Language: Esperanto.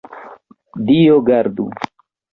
Dio gardu!